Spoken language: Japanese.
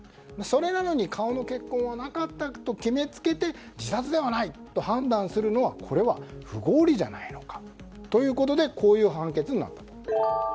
それなのに顔の血痕がなかったと決めつけて自殺ではないと判断するのはこれは不合理じゃないのかということでこういう判決になったと。